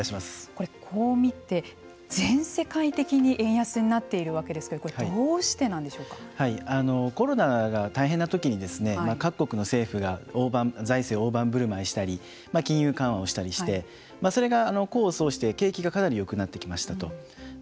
これ、こう見て全世界的に円安になっているわけですけれどもコロナが大変なときに各国の政府が財政大盤振る舞いしたり金融緩和をしたりしてそれが功を奏して景気がかなりよくなってきましたと。